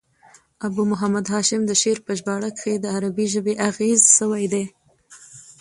ابو محمد هاشم د شعر په ژباړه کښي د عربي ژبي اغېزې سوي دي.